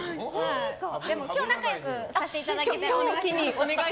今日仲良くさせていただきたい。